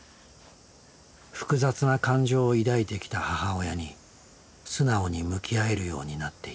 複雑な感情を抱いてきた母親に素直に向き合えるようになっていた。